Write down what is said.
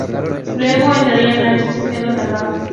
Luego entraría "Nacho" Cisneros al bajo.